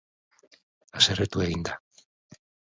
Haserretu egin da.